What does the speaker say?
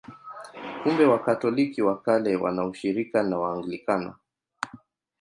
Kumbe Wakatoliki wa Kale wana ushirika na Waanglikana.